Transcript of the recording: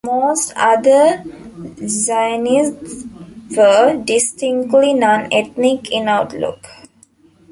Most other Zionists were distinctly non-ethnic in outlook.